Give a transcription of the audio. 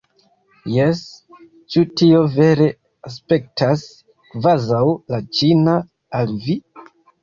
Jes, ĉu tio vere aspektas kvazaŭ la ĉina al vi?